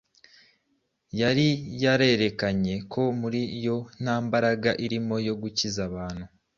Yari yarerekanye ko muri yo nta mbaraga irimo yo gukiza abantu